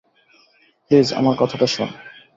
Please, আমার কথাটা শোন।